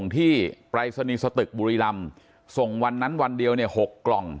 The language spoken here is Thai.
ที่ปรายศนีย์สตึกบุรีรำส่งวันนั้นวันเดียวเนี่ย๖กล่อง